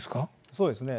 そうですね。